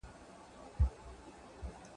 ډیډیموس او ډیمورفوس څارل کېږي.